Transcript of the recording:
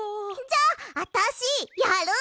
じゃああたしやる！